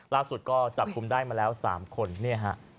ล่าสุดก็จับกลุ่มได้มาแล้ว๓คนเนี่ยฮะ